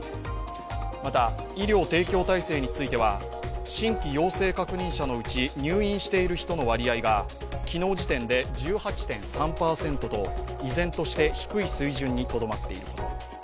また、医療提供体制については、新規陽性確認者のうち入院している人の割合が昨日時点で１８．３％と依然として低い水準にとどまっていること。